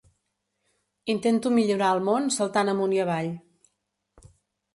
Intento millorar el món saltant amunt i avall.